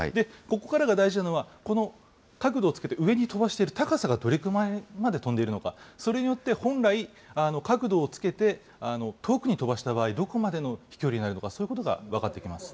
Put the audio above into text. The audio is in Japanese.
ここからが大事なのは、この角度をつけて上に飛ばしている高さがどれくらいまで飛んでいるのか、それによって本来、角度をつけて遠くに飛ばした場合、どこまでの飛距離があるのか、そういうことが分かってきます。